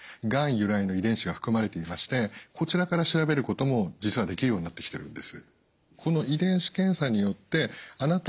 由来の遺伝子が含まれていましてこちらから調べることも実はできるようになってきてるんです。